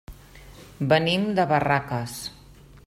Venim de Barraques.